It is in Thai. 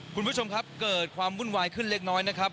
คุณผู้ชมครับเกิดความวุ่นวายขึ้นเล็กน้อยนะครับ